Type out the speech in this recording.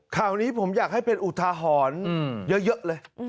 ข่าวนี้ผมอยากให้เป็นอุทาหรณ์เยอะเลย